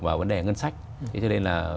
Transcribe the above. vào vấn đề ngân sách thế cho nên là